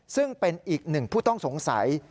ซึ่งเป็นอีกหนึ่งผู้ต้องสงสัย